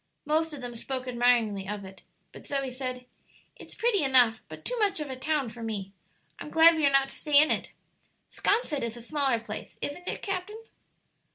Most of them spoke admiringly of it, but Zoe said, "It's pretty enough, but too much of a town for me. I'm glad we are not to stay in it. 'Sconset is a smaller place, isn't it, captain?"